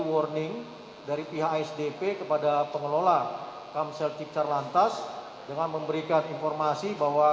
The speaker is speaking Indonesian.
warning dari pihak asdp kepada pengelola kamsel cipta lantas dengan memberikan informasi bahwa